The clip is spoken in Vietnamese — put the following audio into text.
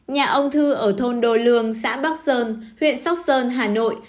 nhà ông thư ở thôn đồ lương xã bắc sơn huyện sóc sơn hà nội